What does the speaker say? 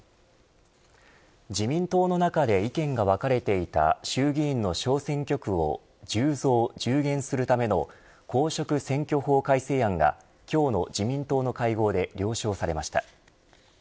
自民党の中で意見が分かれていた衆議院の小選挙区を１０増１０減するための公職選挙法改正案が今日の自民党の会合で了承されました。